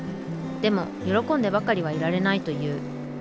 でも喜んでばかりはいられないという。